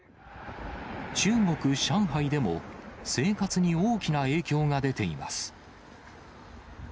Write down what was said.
中国・上海でも、生活に大きな影響が出ています。